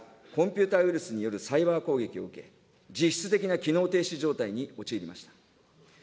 昨年１０月、徳島県の公立病院が、コンピュータウイルスによるサイバー攻撃を受け、実質的な機能停止状態に陥りました。